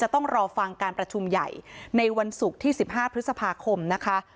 ต้องรอฟังการประชุมใหญ่ในวันศุกร์ที่๑๕พฤษภาคมนะคะ